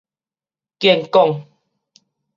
見講